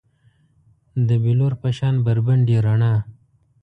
د بیلور په شان بربنډې رڼا